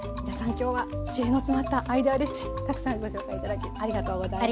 今日は知恵の詰まったアイデアレシピたくさんご紹介頂きありがとうございました。